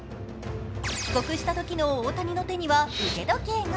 帰国したときの大谷の手には腕時計が。